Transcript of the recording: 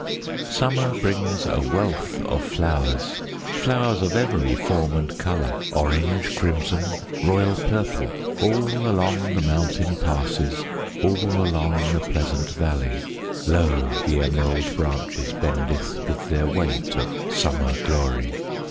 Summer brings a wealth of flowers, Flowers of every form and color, Orange, crimson, royal purple, All along the mountain passes, All along the pleasant valley, Low the emerald branches bendeth With their weight of summer glory.